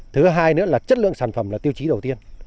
thứ hai nữa là chất lượng sản phẩm là tiêu chí đầu tiên